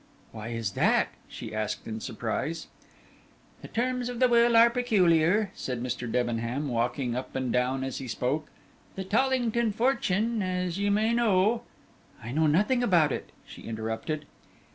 "Why is that?" she asked in surprise. "The terms of the will are peculiar," said Mr. Debenham, walking up and down as he spoke. "The Tollington fortune, as you may know " "I know nothing about it," she interrupted.